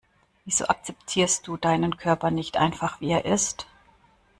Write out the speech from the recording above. Wieso akzeptierst du deinen Körper nicht einfach, wie er ist?